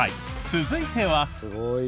続いては。